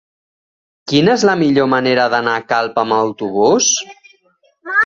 Quina és la millor manera d'anar a Calp amb autobús?